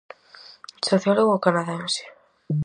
Sociólogo canadense.